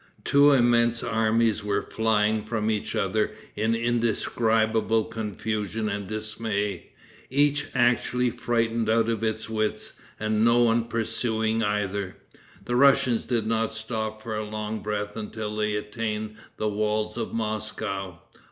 Two immense armies were flying from each other in indescribable confusion and dismay, each actually frightened out of its wits, and no one pursuing either. The Russians did not stop for a long breath until they attained the walls of Moscow.